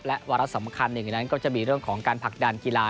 และวาระสำคัญหนึ่งในนั้นก็จะมีเรื่องของการผลักดันกีฬา